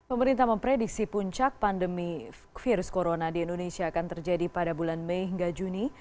pemerintah memprediksi puncak pandemi virus corona di indonesia akan terjadi pada bulan mei hingga juni